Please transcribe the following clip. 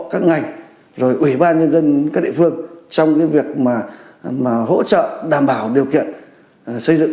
các ngành rồi ủy ban nhân dân các địa phương trong cái việc mà hỗ trợ đảm bảo điều kiện xây dựng